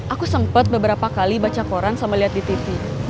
aku sempet beberapa kali baca koran sambil liat di tv